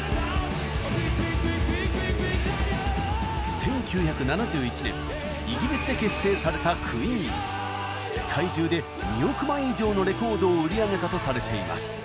１９７１年イギリスで結成された世界中で２億枚以上のレコードを売り上げたとされています。